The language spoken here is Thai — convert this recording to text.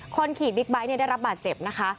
คนขี่บิ๊กไบท์ได้รับบาดเจ็บนะคะ